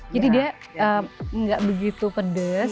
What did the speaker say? jadi dia nggak begitu pedes